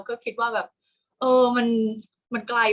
กากตัวทำอะไรบ้างอยู่ตรงนี้คนเดียว